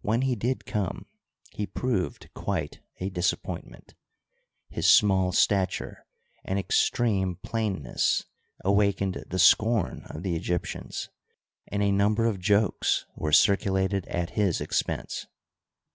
When he did come he proved quite a dis appointment. His small stature and extreme plainness awakened the scorn of the Egyptians, and a number of jokes were circulated at his expense.